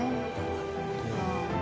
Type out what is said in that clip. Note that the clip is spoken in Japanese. なるほど。